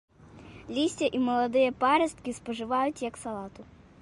Лісце і маладыя парасткі спажываюць як салату.